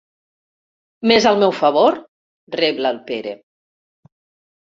Més al meu favor! —rebla el Pere—.